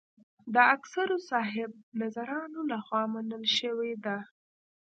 د اکثرو صاحب نظرانو له خوا منل شوې ده.